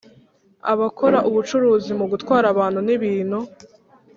abakora ubucuruzi mu gutwara abantu n ibintu